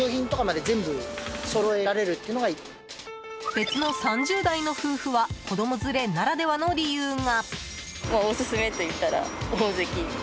別の３０代の夫婦は子供連れならではの理由が。